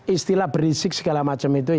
istilah berisik segala macam itu